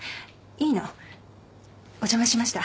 いいの。お邪魔しました。